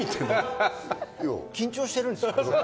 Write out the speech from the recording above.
緊張してるんです。